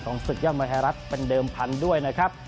ของศึกยมมหรัฐเป็นเดิมพันธุ์ด้วยนะครับ